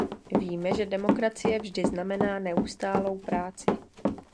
Víme, že demokracie vždy znamená neustálou práci.